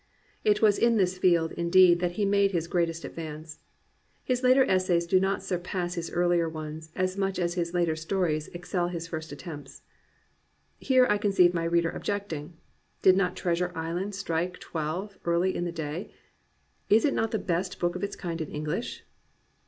It was in this field, indeed, that he made his greatest advance. His later essp fo^, do not surpass his earlier ones as much as his later stories excel his first attempts. Here I conceive my reader objecting: Did not Treasure Island strike twelve early in the day? Is it not the best book of its kind in English